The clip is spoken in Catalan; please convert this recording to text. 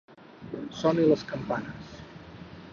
Soni les campanes!